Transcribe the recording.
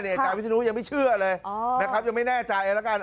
อาจารย์วิศนุยังไม่เชื่อเลยนะครับยังไม่แน่ใจแล้วกัน